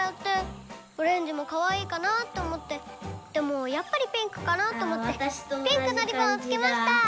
オレンジもかわいいかなって思ってでもやっぱりピンクかなって思ってピンクのリボンをつけました！